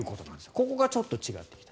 ここがちょっと違っている。